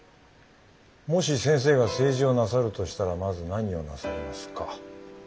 「もし先生が政治をなさるとしたらまず何をなさいますか？」。